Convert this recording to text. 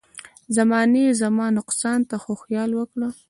زمانې زما نقصان ته خو خیال وکړه.